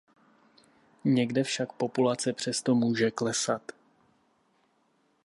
Někde však populace přesto může klesat.